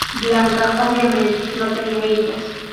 Blanca, obviamente, no tenía hijos.